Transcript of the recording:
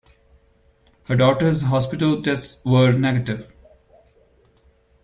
Her daughter's hospital tests were negative.